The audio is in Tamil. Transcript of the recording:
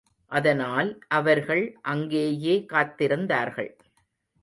அதனால், அவர்கள் அங்கேயே காத்திருந்தார்கள்.